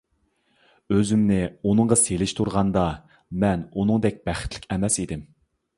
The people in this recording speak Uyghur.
ئۆزۈمنى ئۇنىڭغا سېلىشتۇرغاندا، مەن ئۇنىڭدەك بەختلىك ئەمەس ئىدىم.